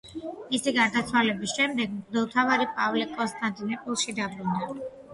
მისი გარდაცვალების შემდეგ მღვდელმთავარი პავლე კონსტანტინოპოლში დაბრუნდა.